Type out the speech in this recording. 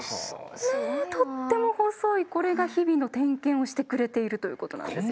とっても細いこれが日々の点検をしてくれているということなんですよ。